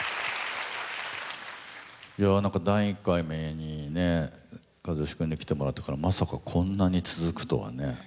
第１回目にね和義君に来てもらってからまさかこんなに続くとはね。